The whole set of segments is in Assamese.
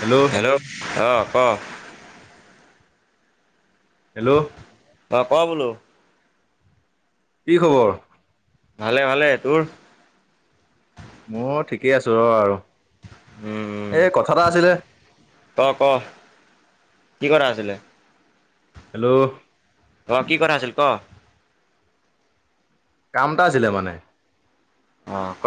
হেল্ল'। হেল্ল', অ' ক। হেল্ল'। অ' ক' বোলো। কি খবৰ? ভালে ভালে তোৰ। ময়ো ঠিকেই আছোঁ ৰ আৰু, উম এই কথা এটা আছিলে। ক' ক', কি কথা আছিলে। হেল্ল'। অ' কি কথা আছিল ক'। কাম এটা আছিলে মানে। অ' ক,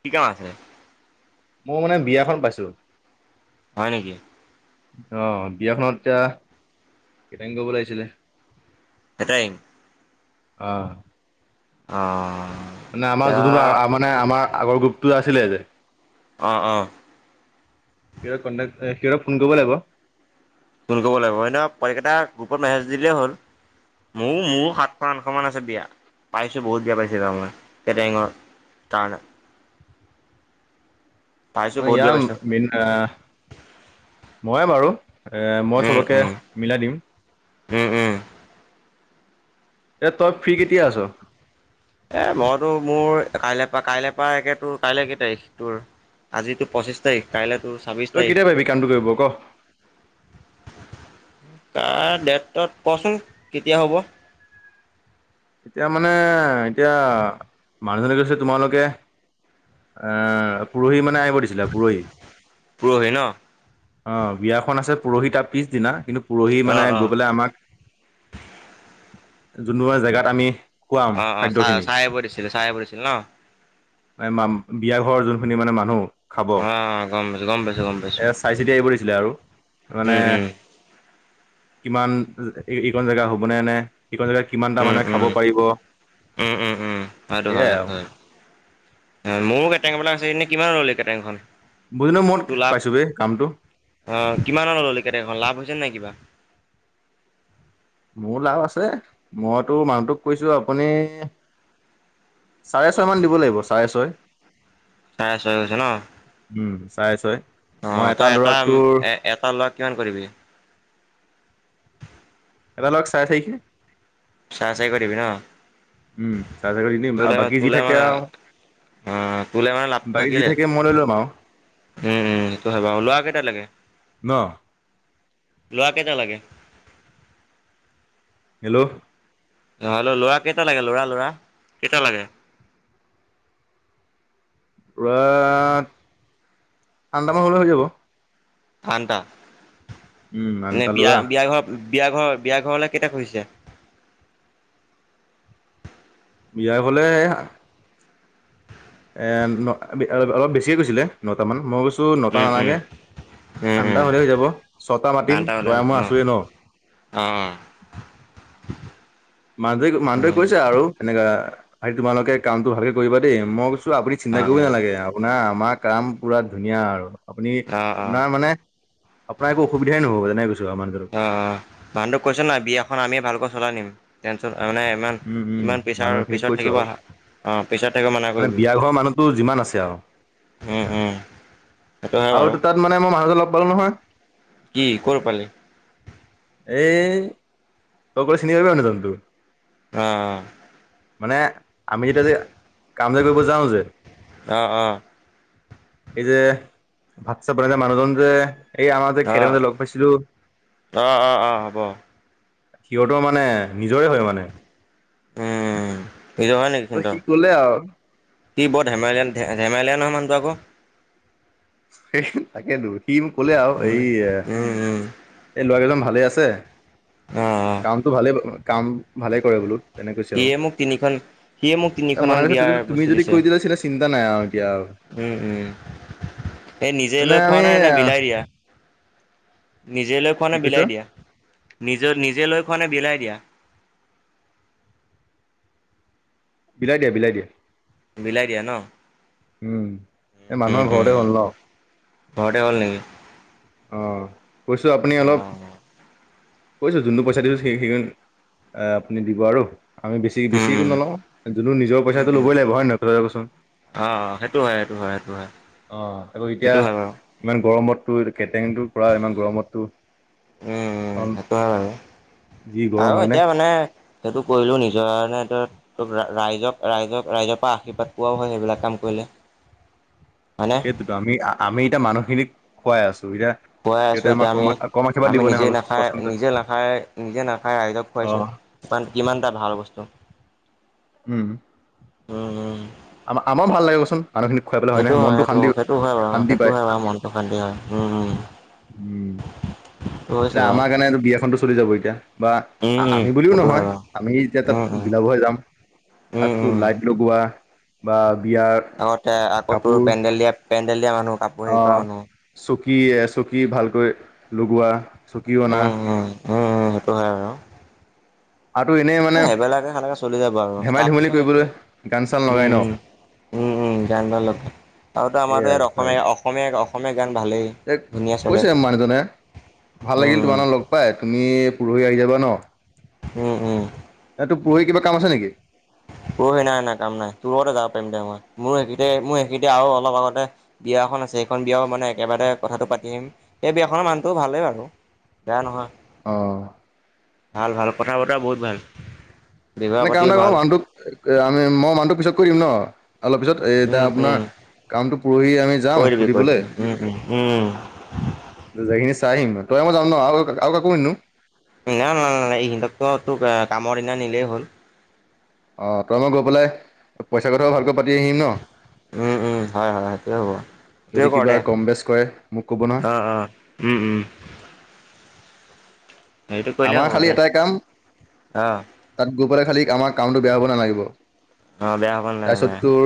কি কাম আছে। মই মানে বিয়াখন পাইছোঁ। হয় নেকি। অ' বিয়াখনত এতিয়া, কেটাৰিন কৰিব লাগিছিলে। কেটাৰিং। অ'। অ'। মানে আমাৰ যোনটো মানে আমাৰ আগৰ গ্ৰুপটো আছিলে যে। অ', অ'। সিহঁতক কণ্টেক, সিহঁতক ফোন কৰিব লাগিব। ফোন কৰিব লাগিব [unintelligible] গ্ৰুপত মেছেজ দিলেই হ'ল। মোৰো মোৰো সাতশ আঠশ মান আছে বিয়া, পাইছোঁ বহুত বিয়া পাইছোঁ এবাৰ মই কেটাৰিঙৰ। [unintelligible] পাইছোঁ অ' বহুত বিয়া পাইছোঁ ইয়াৰ মেন অ' মইয়ে বাৰু। এ, মই উম চবকে উম মিলাই দিম। উম, উম। এ, তই ফ্ৰী কেতিয়া আছোঁ। এ, মইতো মোৰ কাইলৈ পৰা কাইলে পৰা একে তোৰ কাইলে কেই তাৰিখ তোৰ। আজিতো পঁচিছ তাৰিখ কাইলৈ তোৰ ছাব্বিছ তই তাৰিখ কেতিয়া পাৰিবি কামটো কৰিব ক'। [unintelligible] ডেট তট কচোন কেতিয়া হ'ব। এতিয়া মানে এতিয়া, মানুহজনে কৈছে তোমালোকে অ' পুৰহি মানে আহিব দিছিলে পুৰহি। পুৰহি ন'। অ' বিয়াখন আছে পুৰহি তাৰ পিছদিনা কিন্তু পুৰহি মানে অঁ অঁ গৈ পেলাই আমাক যোনবা জেগাত আমি খুৱাম অ', অ', চা খাদ্যখিনি চাই আহিব দিছিলে চাই আহিব দিছিল ন'। এ, মম বিয়া ঘৰৰ যোনখিনি মানে মানুহ খাব। অঁ গম পাইছোঁ গম পাইছোঁ গম এ, পাইছোঁ চাই চিতি আহিব দিছিলে আৰু মানে উম কিমান ইকন জেগা হ'বনে নে ইকন জেগাত কিমানটা উম মানুহে খা উম, উম, উম, সেইটো হয় সেয়াই আৰু সেইটো হয়। মোৰো কেটাৰিংবিলাক আছে এনে কিমান ল'লি কেটাৰিংখন। [unintelligible] পাইছোঁ বে কামটো। অ' কিমানত ল'লি কেটেৰিংখন লাভ হৈছে নাই কিবা। মোৰ লাভ আছে মইতো মাহুহটোক কৈছো আপুনি চাৰে ছয়মান দিব লাগিব চাৰে ছয় চাৰে আ চয় গৈছে ন উম চাই চয় মই অঁ এটা তই লৰাকটোৰ এটা লোৱা কিমান কৰিবি এটাালক চাই চাইখে চাৰে চাৰিশ দিবি ন উম চাৰ এ তোলে বাকী যি তোলে থাকে মানে আৰু অ' তোলে মানে লাভ বাকী যি থাকিলে। থাকে মই ল লম আৰু উম উম সেইটো হয় বাৰ লোৱা কেইটা লাগে ন লোৱা কেইটা লাগে হেল্ল' অ্ল' ল'ৰা কেইটা লাগে ল'ৰা ল'ৰা কেইটা লাগে পূৰা আঠঠটামান হ'লে হৈ যাব আনটাা উম এে আঠটা বিয়া ল'ৰা বিয়া ঘৰ বিয়া ঘৰ বিয়া ঘৰলে কেেইতিয়া খুিছে বিয়াই ফলে এ অলপ বেছিয়ে কৈছিলে নট মান মই কৈছোঁ নটা উম, উম, নালাগে উম, ঠণ্ডা উম, হলে হৈ যাব ছটা মাতিম আঠটা হ'লে তই হৈ মই যাব আছোৱেই ন অ মানদ মানদে উম, কৈছে আৰু সেনেকা হ তোমালোকে কামটো ভালকে কৰিবা দেই মই কৈছো আপুনি চিন্তা অ', কৰিবই অ', নালাগে আপোনাৰ আমাৰ কাম পুৰা ধুনীয়া আৰু আপুনি অ', অ', অ', আপোনাৰ মানে আপোন একো অুবিধাই নহবনোইৈছ আ মান অ ভানদোক কৈছে নয় বিয়াখন আমিে ভালকৈ চলাই নিম টেনচন মানে ইমান উম উম ইমান পিছাৰ মানুহখিনিক পিছত কৈছো আৰু থাকিবা অ পিছত থাকিব মানা মানে কৰিবি বিয়া ঘৰৰ মানুহতো যিমান আছে আৰু উম উম সেইটো হয় বাৰু। আৰু তাতানে মানুহজন লগ পালো নহয় কি ক'ৰ পালে এই ত কলে চিনিিবি আনিদন্তু অ মানে আমি যেতিয়া যে কাম যে কৰিব যাওঁ যে অ', অ', এই যে ভাত চাত বনাইে মানুহজন যে এই আমাৰ যে অ', কেৰেমতে লগ পাইছিলো অ অ অ হ'ব সিহঁতৰ মানে নিজৰে হয় মানে উম এইটো হয় নেকি ত সি কলে আৰু কি বৰ ধেমালিয়ান ধেমালিয় নহয়ানুটো আকৌ সেই তাকেইেতো সি মোক কলে আৰু এই উম। উম, উম, এই লৰা কেইজন ভালে আছে অ কামটো ভালে কাম ভালে কৰে বোলো তেনে কৈছে আৰু সিয়ে মোক তিনিখন সিয়ে মোক তিনিখনমান মানাৰ কথা বিয়াৰ তুমি বস্তু যদি দিছে কৈ দিলা চিনা চিন্তা নাই আৰু এতিয়া উম উম এই নিজে তেনে লৈ খোৱা আমি নাই নে বিলাই দিয়া নিজে লৈ খোৱা কি নে কৈছ বিলাই দিয়া নিজে নিজে লৈ খোৱা নে বিলাই দিয়া বিলাই দিয়া বিলাই দিয়া বিলাই দিয়া ন এই উম, মানুহৰ ঘৰতে উম, গ'ল ন ঘৰতে গ'ল নেকি অঁ কৈছোঁ আপুনি অলপ অ', কৈছোঁ যোনটো পইচা দিছোঁ সেই সেইখ আপুনি দিব আৰু আমি বেছি উম, বেছিক একো উম, নলাওঁ যোনো নিজৰ উম, পইচাটো উম, লই লাগিব হয় নহয় ক ককচোন অ সেইটো হয় সেইটো হয় সেইটো হয় অ আকৌ এতিয়া সেইটো হয় বাৰু ইমান গৰমতটো কেটেংৰেং পৰা ইমান গৰমতো উম সেইটোৱে বাৰু যি গৰম আৰু হয় নে এতিয়া মানে সেইটো কৰিলেও নিজৰ কাৰণে তোক ৰাইজক ৰাইজক ৰাইজৰ পৰা আৰ্শীৰ্বাদ পোৱাও হয় সেইবিলাক কাম কৰিলে হয়নে সেইটোতো আমি আমি এতিয়া মানুহখিনিক খুৱাই আছো এতিয়া পোৱাই আছো সিহঁতে আমাক এতিয়া কম আমি কম আশীৰ্বাদ আমি দিব নে নিজে নাখায় কচোন তই নিজে নাখায় নিজে নাখায় ৰাইজক অ খোৱাইছো ইমান কিমান এটা ভাল বস্তু উম উম উুম আম আমাৰ ভাল লাগিবচোন মানুহ খিনিক খোৱা সেইটো হয় সেইটো সেইটো হয় বাৰু সেইটো হয় বাৰু মনটো শান্তি হয় উম উম সেইটো হৈছে এতিয়া বাৰু আমাৰ কাৰণেটো বিয়াখনটো চলি যাব এতিয়া বা উম উম আমি বুলিও সেইটো হয় নহয় বাৰু আমি এতিয়া তাত বিলাব হৈ যাম ওম তাততো অওম লাইট লগোৱা বা বিয়াৰ আগতে আকৌ তোৰ কাপোৰ পেণ্ডেল দিয়া পেণ্ডেল দিয়া মানুহ কাপোৰ হেৰি কৰা মানুহ চকীয়ে চকী ভালকৈ লগোৱা চকী অনা উম উম উম সেইটো হয় আৰু আৰু এনেই মানে সেইবিলাকে সেনেকে চলি যাব আৰু ধেমালি ধেমালি সেনেকে কৰিবলৈ গান চান লগাই ন উম উ গান ভাল লগ আৰুতো আমাৰো এইয়া ইয়াত অসমীয়া অসমীয়া অসমীয়া গান ভালেই এই ধুনীয়া চলে কৈছে মানুহজনে ভাল লাগিল উম তোমাৰ লগ পাই তুমি পৰহি আহি যাবা ন উম উম এই তোৰ পৰহি কিবা কাম আছে নেকি তোৰ পৰহি নাই নাই কাম নাই তোৰ লগতে যাব পাৰিম দে মই মোৰ সেই মোৰ সেই আৰু অলপ আগতে বিয়া এখন আছে সেইখন বিয়াও মানে একেবাৰে কথাটো পাতিম সেই বিয়াখনৰ মানহটো ভালেই বাৰু বেয়া নহয় অঁ ভাল ভাল কথা বতৰা বহুত ভাল ব্যৱহাৰ নে কাম পাতিও নাই কৰ ভাল মানুহটোক আমি মই মানুহটো পিছত কৰি দিম ন অলপ পিছত এ এতিয়া উম আপোনাৰ উম কামটো পৰহি আমি কৈ যাওঁ দিবি কৈ সুধিবলৈ দিবি উম উম উম জেগাখিনি চাই আহিম তই মই যাম ন আৰু কাকো নেনো নাই নাই ন নাই ই সিহঁকতো তো কামৰ দিনা নিলেই হ'ল অ তই মই গৈ পেলাই পইচা কথাও ভালকৈ পাতি আহিম ন উম উম হয় হয় সেইটোৱে হ'ব সেইটোৱে যদি কৰ কিবা দে কম বেচ কৰে মোক ক'ব নহয় অ অ উম উম সেইটো কৰিলেই আমাৰ হ'ব খালি দে এটাই কাম অ তাত গৈ পেলাই খালি আমাৰ কামটো বেয়া হ'ব নালাগিব অ বেয়া হব তাৰপিছত নালাগিব তোৰ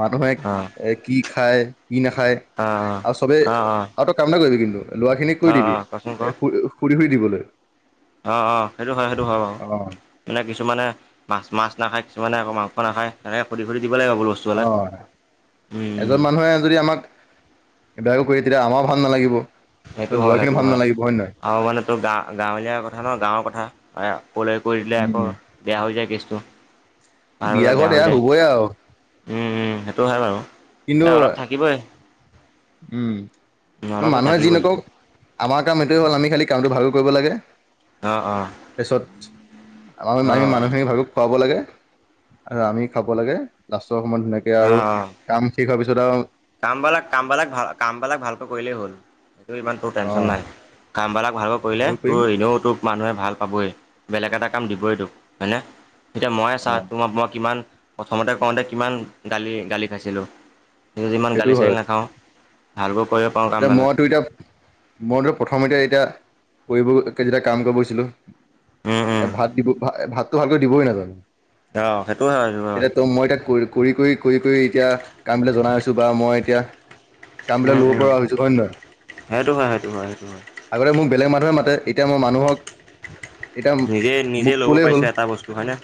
মানুহে এ কি খায় কি নাখায় অ আৰু চবেই অ অ অ আৰু ত কাম এটা কৰিবি কিন্তু লৰা খিনিক কৈ অ অ দিবি কচোন ক সুধি সুধি দিবলৈ অ অ সেইটো হয় সেইটো হয় বাৰু অ মানে কিছুমানে মাছ মাছ নাখায় কিছুমানে আকৌ মাংস নাখায় সেনেকে শুধি শুধি দিব লাগিব বস্তুবিলাক ন যদি আমাক এইবিলাকো কৰি তেতিয়া আমাৰ ভাল নালাগিব সেইটো হয় লৰা সেইটো খিনিও ভাল নালাগিব হয় নে নহয় আৰু মানে তোৰ গা গাঁৱলীয়া কথা ন গাঁৱৰ কথা কলৈ কৰি দিলে আকৌ উম বেয়া হৈ যায় কেছটো বিয়া ভবাবিলাক বেয়া ঘৰত এয়া হৈ যায় হ'বই আৰু উম, সেইটো হয় বাৰু কিন্তু এ, অলপ থাকিবই। উম, অলপতো মানুহে যি থাকিবই নকওঁক, আমাৰ কাম এইটোৱে হ'ল আমি খালি কামটো ভালকৈ কৰিব লাগে। অ', অ'। পিছত, [unintelligible] অ', মানুহখিনিক [unintelligible] খুৱাব লাগে। আৰু আমি খাব লাগে লাষ্টৰ সময়ত ধুনীয়াকে আৰু কাম শেষ হোৱাৰ পিছত আৰু কামবলাক কামবলাক ভাল কামবিলাক ভালকৈ কৰিলেই হ'ল এইটো ইমান তোৰ অ টেনশ্যন নাই, কামবিলাক ভালকৈ কৰিলে ভাল কৰিম তোৰ এনেও তোৰ মানুহে ভাল পাবই, বেলেগ এটা কাম দিবই তোক হয়নে। এতিয়া ময়ে অ চা তোমাক মই কিমান প্ৰথমতে কওঁতে কিমান গালি গালি খাইছিলোঁ। যদি ইমান সেইটো গালি চালি হয় নাখাওঁ, ভালকৈ কৰিব পাৰোঁ। এতিয়া কামবিলাক মইতো এতিয়া, মইতো প্ৰথম এতিয়া এতিয়া, কৰিব যেতিয়া কাম কৰিব গৈছিলোঁ। উম, এ, উম। ভাত দিব ভা ভাতটো ভালকৈ দিবই নাজানে। অ', সেইটো হয় সেইটো হয় এতিয়া ত' মই এতিয়া কৰি কৰি কৰি কৰি কৰি এতিয়া কামবিলাক জনা হৈছোঁ বা মই এতিয়া, কামবিলাক উম, ল উম, সেইটো হয় সেইটো হয় সেইটো হয়। [unintelligible] আগতে মোক বেলেগ মানুহে মাতে এতিয়া মই মানুহক এটা নিজে নিজে মোক ল'ব ক'লেই হ'ল, পাৰিছোঁ এটা বস্তু হয়নে?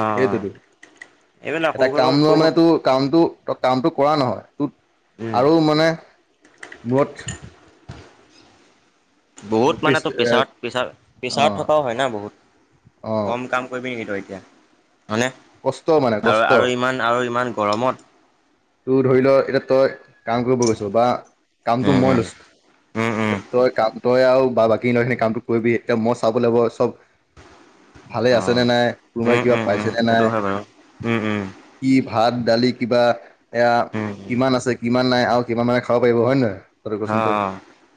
অ', অ', সেইটোতো। এইবিলাক এটা সৰু কাম সুৰাকৈ লোৱা সৰু সৰু মানে তোৰ কামটো তই কামটো কৰা নহয় ত উম। আৰু মানে, মূৰত বহুত পিছ মানে তোৰ প্ৰেছাৰত পেছাৰ অ প্ৰেছাৰত থকাও হয় না বহুত। অ কম কাম কৰিবি নেকি তই এতিয়া হয়নে, কষ্ট মানে আৰু কষ্ট আৰু ইমান আৰু ইমান গৰমত। তোৰ ধৰি ল' এতিয়া তই কাম কৰিব গৈছোঁ বা কামটো উম মই উম লৈছোঁ। উম উম তই কাম তই আৰু বা বাকী খিনি কামটো কৰিবি এতিয়া মই চাব লাগিব চব ভালে অ আছেনে নাই, কোনোবাই উম কিবা উম উম পাইছে নে সেইটো নাই। হয় বাৰু উম উম কি ভাত দালি কিবা এয়া উম উম কিমান আছে কিমান নাই আৰু কিমানে খাব পাৰিব হয় নে নহয়। তই হ'। কচোন তই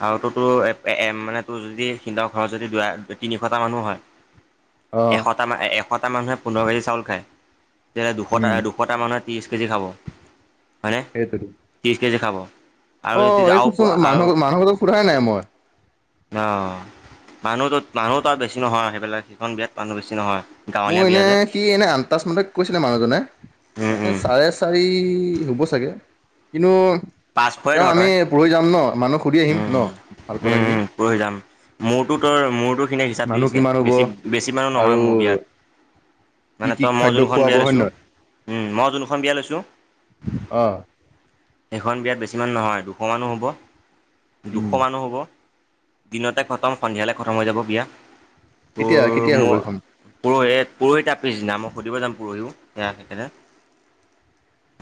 আৰুতো তোৰ এ, মানে তোৰ যদি সিনতৰ ঘৰত যদি দু তিনিশটা মানুহ হয়। অ এশটা মা এশটা মানুহে পোন্ধৰ কেজি চাউল খায়, এতিয়া দুশটা উম দু দুশটা মানুহে ত্ৰিছ কেজি খাব, হয়নে। সেইটোতো। ত্ৰিশ কেজি খাব। আৰু অ' যদি আৰু [unintelligible] আৰু মানুহ মানুহ [unintelligible] সোধাই নাই মই। অ' মানুহতো মানুহো তাত বেছি নহয় সেইবিলাক সিখন বিয়াত মানুহ বেছি নহয়। গাঁৱলীয়া মোৰ বিয়া এনে যে সি এনে আনটাচ মতে কৈছিলে মানুহজনে, উম এ, উম চাৰে চাৰি হ'ব চাগ, কিন্তু পাঁচশই তেওঁ ধৰ আমি তই পৰহি যাম ন' মানুহক সুধি আহিম উম ন' ভাল কথাখিনি। [unintelligible] যাম। মোৰটো তোৰ মোৰটো খিনে হিচাপ দি মানুহ দিছে কিমান হ'ব বেছি বেছি মানুহ নহয় মোৰ বিয়াত [unintelligible] মানে তই মই খাদ্য যোনখন খুৱাব বিয়া হয় লৈছোঁ, নহয় উম, মই যোনখন বিয়া লৈছোঁ। অ সেইখন বিয়াত বেছি মানুহ নহয় দুশ মানুহ হ'ব, দুশ উম মানুহ হ'ব। দিনতে খতম সন্ধিয়ালৈ খতম হৈ যাব বিয়। তোৰ কেতিয়া কেতিয়া মো হ'ব এইখন পৰহি পৰহি তাৰ পিছদিনা মই সুধিব যাম পৰহিও সেয়া সেইকাৰণে।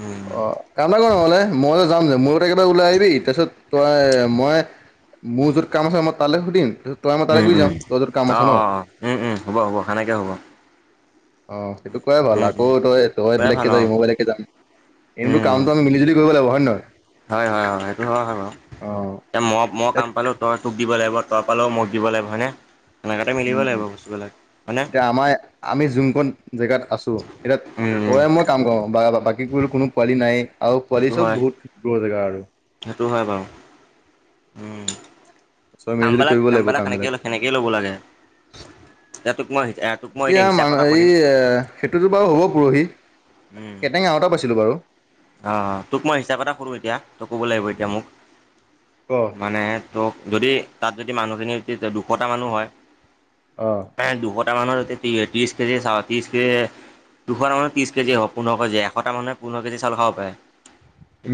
উম অ' কাম এটা কৰ নহ'লে মই যাম [unintelligible] [unintelligible] ওলাই আহিবি তাৰপিত তই মই, মোৰ য'ত কাম আছে মই তালে সুধিম তই আমাৰ তাৰে উম গৈ উম যাম, তই তোৰ অ কাম আছে অ ন'। অ উম উম হ'ব হ'ব সেনেকৈ হ'ব অ' সেইটো কৰাই ভাল উম, আকৌ উম, তই তই প্ৰায় ভাল বেলেগকে যাবি অ', মই বেলেগকে যাম। এনে উম, কামটো আমি মিলজুলি কৰিব লাগিব হয় নে নহয়। হয় হয় হয় সেইটো হয় হয় বাৰু। অ এ মই, মই এত কাম পালেও তই তোক দিব লাগিব তই পালেও মোক দিব লাগিব হয়নে। সনেকুৱাতে মিলিব উম লাগিব বস্তুবিলাক হয়নে। এতিয়া আমাৰ আমি যোনখন জেগাত আছো এতিয়া উম, উম, তই মই কাম কৰো বা বাকী কোনো পোৱালি নাই আৰু পোৱালি সেইটো চব হয়, বহুত দূৰ জেগা আৰু সেইটো হয় বাৰু। উম। চব মিলিজুলি কামবিলাক, কৰিব লাগিব কামবিলাক কাম সেনেকেই, বিলাক। সেনেকেই ল'ব লাগে। তোক মই, তোক মই এতিয়া এতিয়া হিচাপ মান এটা এই সুধিম এ সেইটোতো বাৰু হ'ব পৰহি। উম। কেটেঙা এটা পাইছিলো বাৰু। অ', তোক মই হিচাপ এটা কৰো এতিয়া তই ক'ব লাগিব এতিয়া মোক অ'। মানে তোক যদি তাত যদি মানুহখিনি যদি দুশটা মানুহ হয় অ'। প্ৰায় দুশটা মানৰ ত্ৰিশ কেজি চ ত্ৰিশ কেজি দুশ মান ত্ৰিছ কেজি হ পোন্ধৰ কেজি এশটা মানৰ পোন্ধৰ কেজি খাব পাৰে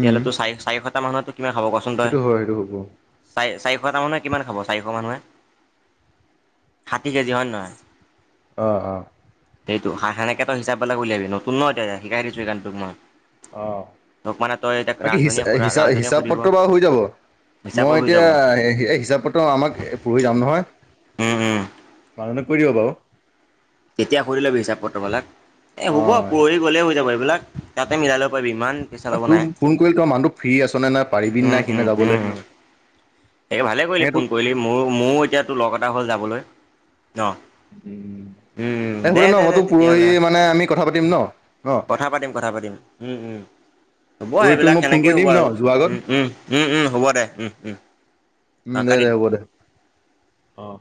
উম চা চাৰিশটা মানুহ কিমান খাব কচোন। তই? সেইটো হয় সেইটো হ'ব। চাৰি চাৰিশটা মানুহে কিমান খাব চাৰিশ মানুহে ষাঠি কেজি হয় নে নহয়। অ', অ'। সেইটো সেনেকেত হিচাপবিলাক উলিয়াবি নতুন নয় এতি শিকাই দিছোঁ এইকাৰনে তোক মই। অ', তোক মানে তই এতিয়া বাকী ৰান্ধনীয়ে হিচাপ ৰান্ধনীয়ে হিচাপ সুধিব পত্ৰ বাৰু হৈ যাব। মই হিচাপত হৈ এতিয়া যাব। হিচাপত পত্ৰ ত' আমাক পৰি যাম নহয় উম উম মানুহ কৈ দিব বাৰু। তেতিয়া সুধি লবি হিচাপ পত্ৰবিলাক এ অ হ'ব পৰহি গ'লে হৈ যাব এইবিলাক তাতে মিলাই লব পাৰি ইমান পইচা ল'ব তোৰ নাই। ফোন কৰিলে তাৰ মানুহটো ফ্ৰী আছ নে নাই পাৰিবি নে নাই সিদিনা যাবলৈ। তাকে ভালে এ কৰিলি তোক ফোন কৰিলি মোৰ মোৰো এতিয়াতো লগ এটা হ'ল যাবলৈ ন। উম। উম, দে, দে, দে তেতিয়াহ'লে আমি কথা পাতিম ন ন কথা পাতিম কথা পাতিম উম, উম। হ'ব পৰহি তোক এইবিলাক মই ফোন কৰি সেনেকেই হ'ব দিম ন আৰু যোৱাৰ আগত উম, উম উম, উম হ'ব দে উম, উম। উম, অ' নাই নাই কাটি হ'ব দে অ'।